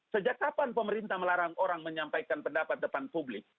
sejak kapan pemerintah melarang orang menyampaikan pendapat depan publik